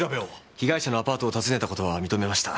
被害者のアパートを訪ねた事は認めました。